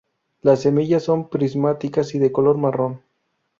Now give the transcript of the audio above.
Las semillas son prismáticas y de color marrón.